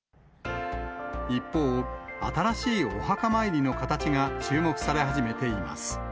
一方、新しいお墓参りの形が注目され始めています。